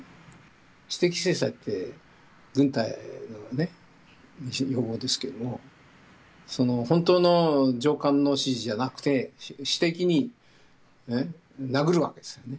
私的制裁って軍隊のね一用語ですけれども本当の上官の指示じゃなくて私的に殴るわけですよね。